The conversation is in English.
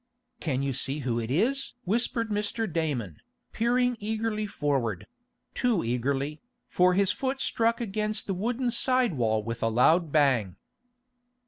"Can you see who it is?" whispered Mr. Damon, peering eagerly forward; too eagerly, for his foot struck against the wooden side wall with a loud bang.